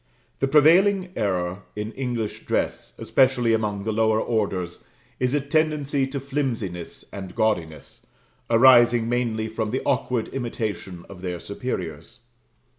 The prevailing error in English dress, especially among the lower orders, is a tendency to flimsiness and gaudiness, arising mainly from the awkward imitation of their superiors.